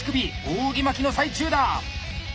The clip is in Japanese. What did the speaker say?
扇巻きの最中だ！